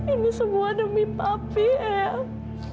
ini semua demi papi ayang